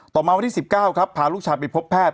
มาวันที่๑๙ครับพาลูกชายไปพบแพทย์